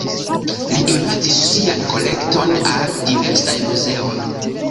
Li donacis sian kolekton al diversaj muzeoj.